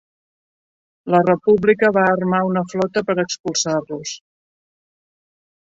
La República va armar una flota per expulsar-los.